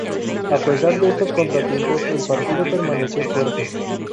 A pesar de estos contratiempos, el partido permaneció fuerte.